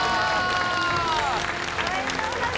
おめでとうございます！